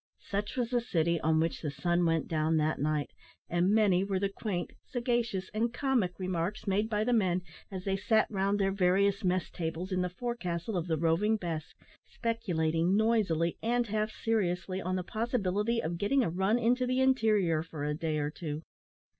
Such was the city on which the sun went down that night, and many were the quaint, sagacious, and comic remarks made by the men as they sat round their various mess tables in the forecastle of the Roving Bess, speculating noisily and half seriously on the possibility of getting a run into the interior for a day or two.